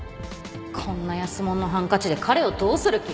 こんな安物のハンカチで彼をどうする気？